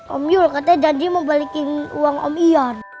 om yul katanya janji mau balikin uang om ian